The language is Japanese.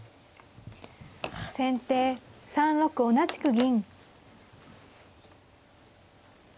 先手３六同じく銀。